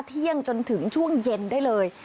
เที่ยงจนถึงช่วงเย็นได้เลย